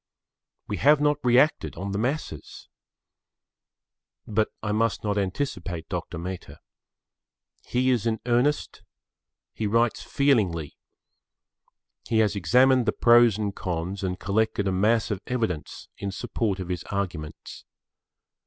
We have not reacted on the masses. But I must not anticipate Dr. Mehta. He is in earnest. He writes feelingly. He has examined the pros and cons and collected a mass of evidence in support of his arguments.